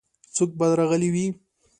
څوک به راغلي وي؟